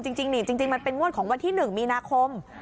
จริงมันเป็นงวดของวันที่๑มีนาคม